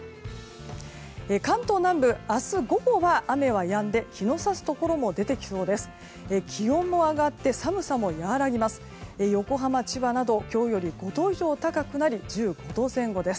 関東南部、明日午後は雨はやんで日の差すところも出てきそうです。